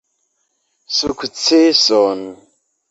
Sukceson